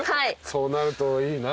そうなるといいな。